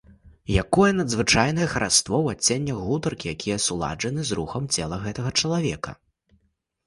Якое надзвычайнае хараство ў адценнях гутаркі, якія суладжаны з рухам цела гэтага чалавека!